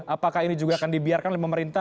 apakah ini juga akan dibiarkan oleh pemerintah